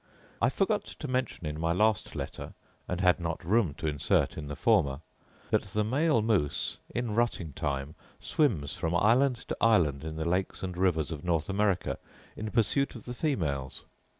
I forgot to mention in my last letter (and had not room to insert in the former) that the male moose, in rutting time, swims from island to island, in the lakes and rivers of North America, in pursuit of the females.